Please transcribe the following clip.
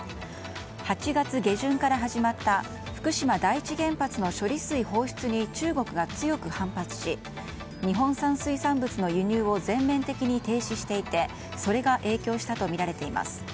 ８月下旬から始まった福島第一原発の処理水放出に中国が強く反発し日本産水産物の輸入を全面的に禁止していてそれが影響したとみられています。